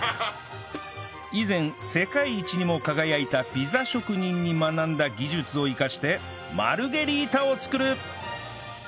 以前世界一にも輝いたピザ職人に学んだ技術を生かしてマルゲリータを作る！